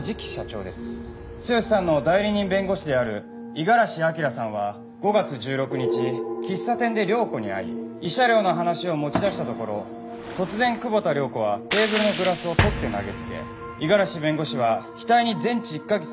剛さんの代理人弁護士である五十嵐明さんは５月１６日喫茶店で涼子に会い慰謝料の話を持ち出したところ突然久保田涼子はテーブルのグラスを取って投げつけ五十嵐弁護士は額に全治１カ月の怪我を負った。